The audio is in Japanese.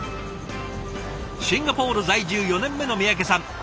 シンガポール在住４年目の三宅さん。